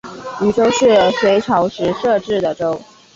渝州是隋朝时设置的州。